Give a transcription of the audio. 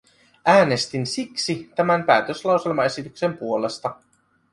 Äänestin siksi tämän päätöslauselmaesityksen puolesta.